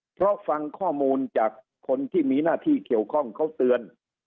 เพราะฟังข้อมูลจากคนที่มีหน้าที่เกี่ยวข้องเขาเตือน